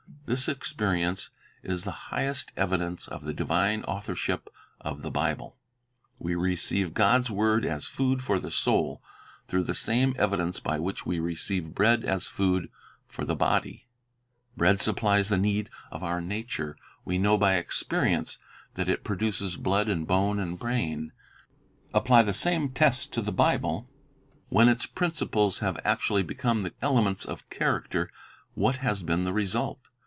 This experience is the highest evidence of the divine authorship of the Bible. We receive God's word as food for the soul, through the same evidence by which we receive bread as food, for the body. Bread supplies the need of our nature; we know by experience that it •Deut.sgizg. 2 2 Tim. 3 : iC, 17. Inexhaustible Riches 172 The Bible as an Educator produces blood and bone and brain. Apply the same test to the Bible: when its principles have actually, become the elements of character, what has been the result?